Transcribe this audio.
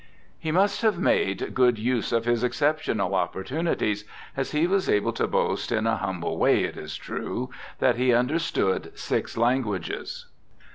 He must have made good use of his exceptional opportunities ; as he was able to boast, in a humble way it is true, that he understood six languages.